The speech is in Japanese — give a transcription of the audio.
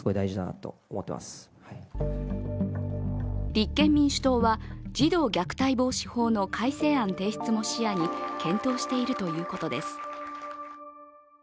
立憲民主党は児童虐待防止法の改正案提出も視野に検討しているということです。